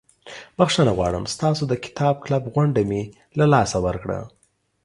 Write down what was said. بخښنه غواړم ستاسو د کتاب کلب غونډه مې له لاسه ورکړه.